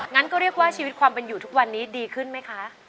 งั้นก็เรียกว่าชีวิตความเป็นอยู่ทุกวันนี้ดีขึ้นไหมคะ